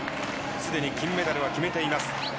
すでに金メダルは決めています。